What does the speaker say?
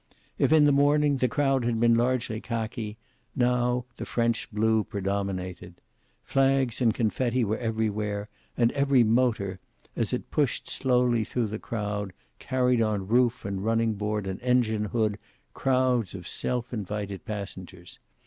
If in the morning the crowd had been largely khaki, now the French blue predominated. Flags and confetti were everywhere, and every motor, as it, pushed slowly through the crowd, carried on roof and running board and engine hood crowds of self invited passengers.